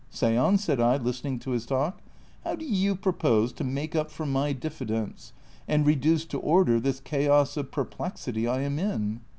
Say on," said I, listening to his talk ;'' how do you pro pose to make up for my diffidence, and reduce to order this chaos of perplexity I am in